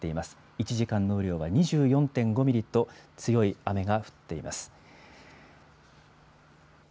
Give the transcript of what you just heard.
１時間の雨量は２４．５ミリと、強い雨が降っています。